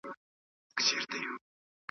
یا به ګوربت غوندي اسمان ته ختی .